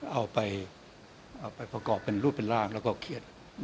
เอาไปประกอบเป็นรูปเป็นร่างแล้วก็เครียด